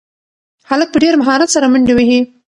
هلک په ډېر مهارت سره منډې وهي.